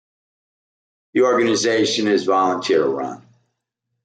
The organization is volunteer-run.